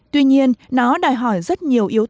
tuy nhiên nó đài hỏi rất nhiều yêu cầu